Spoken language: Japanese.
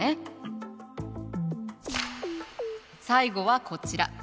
最後はこちら。